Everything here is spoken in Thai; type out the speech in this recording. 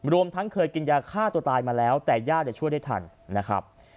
รวมทั้งเคยกินยาฆ่าตัวตายมาแล้วแต่ญาติช่วยได้ทันนะครับ